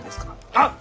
あっ！